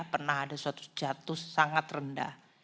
pernah ada suatu jatuh sangat rendah